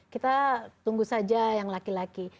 kita tunggu saja yang laki laki